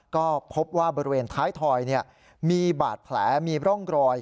ก็พบว่าบริเวณท้ายถอยมีบาดแผลมีร่องรอย